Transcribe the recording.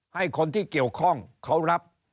ให้คนที่เกี่ยวข้องเขารับ